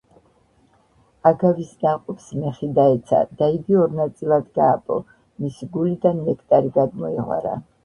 აგავის ნაყოფს მეხი დაეცა და იგი ორ ნაწილად გააპო, მისი გულიდან ნექტარი გადმოიღვარა.